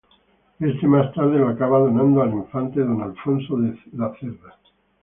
Éste más tarde lo acaba donando al Infante Don Alfonso de La Cerda.